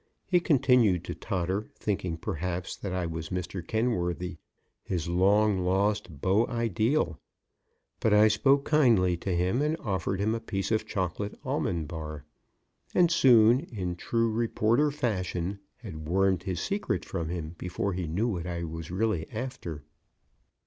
He continued to totter, thinking, perhaps, that I was Mr. Kenworthy, his long lost beau ideal. But I spoke kindly to him and offered him a piece of chocolate almond bar, and soon, in true reporter fashion, had wormed his secret from him before he knew what I was really after.